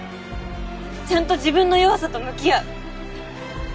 ちゃんと自分の弱さと向き合う。